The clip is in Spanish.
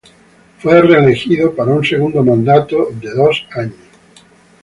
Fue reelegido para un segundo mandato de dos años.